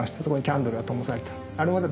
そこにキャンドルがともされてる。